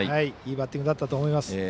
いいバッティングだったと思います。